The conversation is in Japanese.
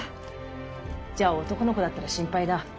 じゃ男の子だったら心配だ。